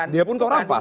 dia pun kau rampas